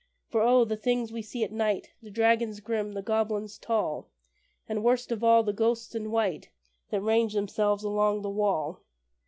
For O! the things we see at night The dragons grim, the goblins tall, And, worst of all, the ghosts in white That range themselves along the wall!